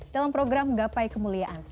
dalam program gapai kemuliaan